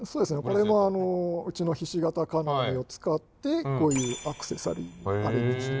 これもうちのひし形金網を使ってこういうアクセサリーアレンジして。